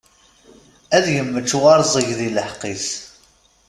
Ad yemmečč warẓeg deg lḥeqq-is.